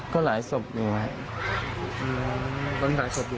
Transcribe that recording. ใช่หรอ